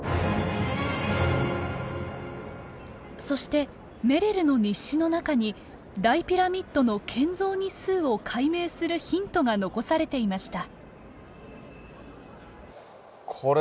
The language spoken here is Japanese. そして「メレルの日誌」の中に大ピラミッドの建造日数を解明するヒントが残されていました。